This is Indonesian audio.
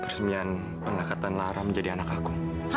resmian pengangkatan lara menjadi anak aku